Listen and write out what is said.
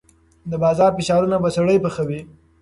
د بازار فشارونه به سړی پخوي.